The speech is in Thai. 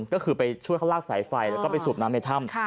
ก็คือไปช่วยเขาลากสายไฟแล้วก็ไปสูบน้ำในถ้ำ